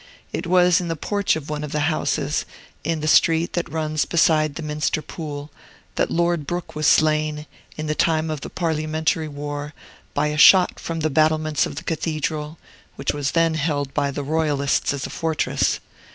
It was in the porch of one of the houses, in the street that runs beside the Minster Pool, that Lord Brooke was slain, in the time of the Parliamentary war, by a shot from the battlements of the cathedral, which was then held by the Royalists as a fortress.